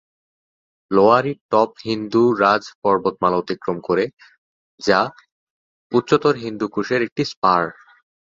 Lowari top Hindu Raj পর্বতমালা অতিক্রম করে, যা উচ্চতর হিন্দু কুশের একটি স্পার।